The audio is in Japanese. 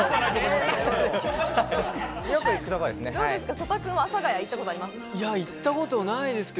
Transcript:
曽田君は阿佐ヶ谷、行ったことありますか？